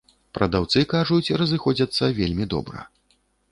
Прадаўцы кажуць, разыходзяцца вельмі добра.